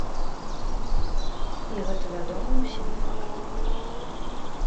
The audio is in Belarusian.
І гэта вядомы ўсім факт.